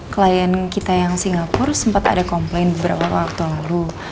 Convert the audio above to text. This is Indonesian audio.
klien kita yang singapura sempat ada komplain beberapa waktu lalu